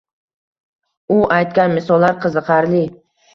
U aytgan misollar qiziqarli